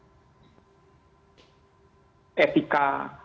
yang menjaga etika